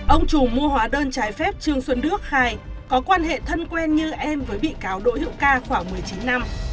ông chủ mua hóa đơn trái phép trương xuân đức khai có quan hệ thân quen như em với bị cáo đỗ hiệu ca khoảng một mươi chín năm